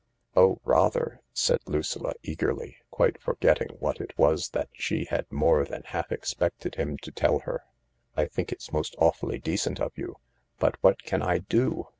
" Oh, rather !" said Lucilla eagerly, quite forgetting what it was that she had more than half expected him to tell her. " I think it's most awfully decent of you. But what can I do?